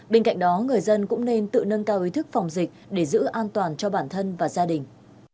bên cạnh đó người dân cũng nên tự nâng cao ý thức phòng dịch để giữ an toàn cho bản thân và gia đình